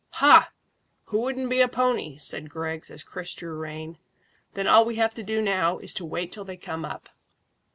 "Hah! Who wouldn't be a pony!" said Griggs, as Chris drew rein. "Then all we have to do now is to wait till they come up."